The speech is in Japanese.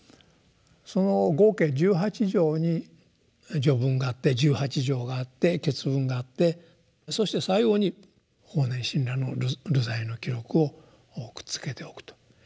その合計十八条に「序文」があって十八条があって「結文」があってそして最後に法然親鸞の「流罪の記録」をくっつけておくと。